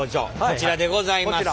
こちらでございます。